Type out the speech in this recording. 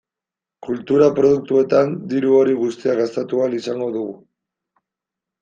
Kultura produktuetan diru hori guztia gastatu ahal izango dugu.